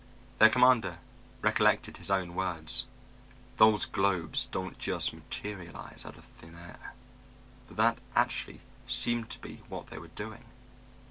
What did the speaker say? Their commander recollected his own words, "Those globes don't just materialize out of thin air." But that actually seemed to be what they were doing.